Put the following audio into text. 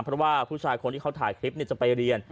เพราะว่าผู้ชายเขาที่ทายคลิปจะไปเรียน